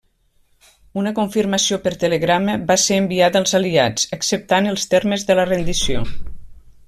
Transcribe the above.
Una confirmació per telegrama va ser enviada als Aliats, acceptant els termes de la rendició.